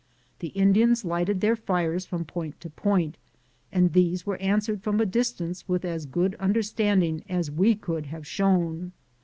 The Indians lighted their fires from point to point, and these were answered from a distance with as good understanding as we could have shown.